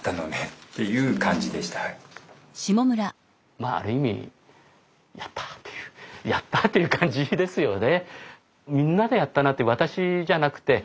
まあある意味やった！っていうやった！っていう感じですよね。